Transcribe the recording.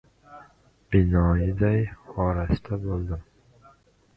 Binoyiday orasta bo‘ldim.